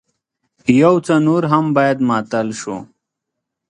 يو څه نور هم بايد ماتل شو.